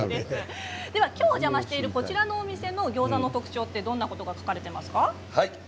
今日お邪魔しているこちらのお店の餃子の特徴はどんなことが書かれていますか。